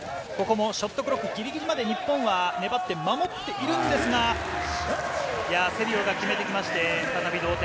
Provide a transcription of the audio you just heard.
ここもショットクロックぎりぎりまで日本は粘っているんですが、セリオが決めてきまして再び同点。